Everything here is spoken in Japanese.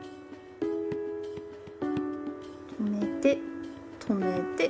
止めて止めて。